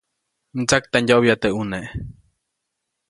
Mtsaktandyoʼbya teʼ ʼune.